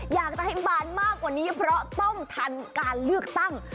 อยากจะให้บานมากกว่านี้เพราะต้องทันการเลือกตั้ง